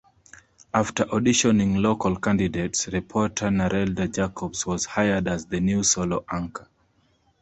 After auditioning local candidates, reporter Narelda Jacobs was hired as the new solo anchor.